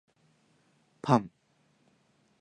パン